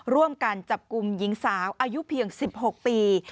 ร่วมกันจับกลุ่มหญิงสาวอายุเพียง๑๖ปี